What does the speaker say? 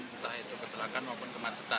yang rawan entah itu kecelakaan maupun kemacetan